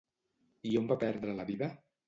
I on va perdre la vida?